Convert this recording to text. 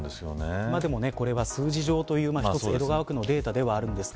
でも、これは数字上という一つ、江戸川区のデータではあるんです。